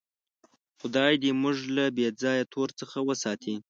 خدای دې موږ له بېځایه تور څخه وساتي.